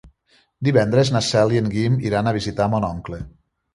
Divendres na Cel i en Guim iran a visitar mon oncle.